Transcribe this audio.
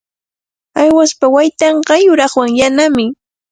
Aawaspa waytanqa yuraqwan yanami.